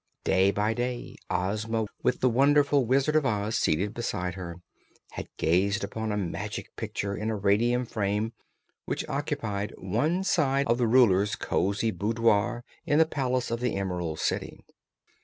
Day by day Ozma, with the wonderful Wizard of Oz seated beside her, had gazed upon a Magic Picture in a radium frame, which occupied one side of the Ruler's cosy boudoir in the palace of the Emerald City.